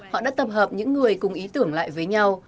họ đã tập hợp những người cùng ý tưởng lại với nhau